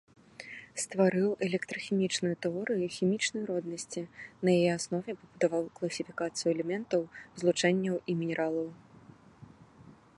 Стварыў электрахімічную тэорыю хімічнай роднасці, на яе аснове пабудаваў класіфікацыю элементаў, злучэнняў і мінералаў.